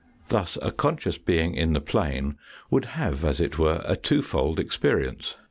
Thus a conscious being in the plane would have, #s it were, a two fold experience.